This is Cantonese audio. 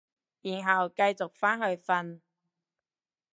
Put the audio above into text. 然後繼續返去瞓